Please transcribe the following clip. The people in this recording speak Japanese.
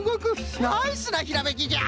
ナイスなひらめきじゃ！